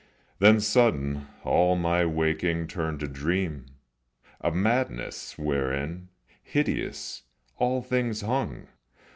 Then sudden all my waking turned to dream, A madness wherein, hideous, all things hung.